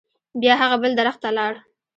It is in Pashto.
بیا هغه بل درخت ته لاړ.